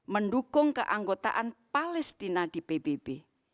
mendukung keanggotaan palestina di pbb